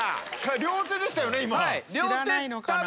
両手でしたよね。